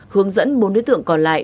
hướng dẫn bốn đối tượng còn lại